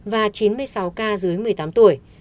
và chín mươi sáu ca dương tính sars cov hai mới